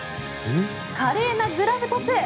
華麗なグラブトス。